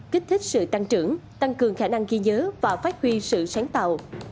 kích thích sự tăng trưởng tăng cường khả năng ghi nhớ và phát huy sự sáng tạo